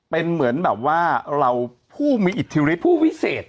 เป็นเหมือนแบบว่าเราผู้มีอิทธิวิต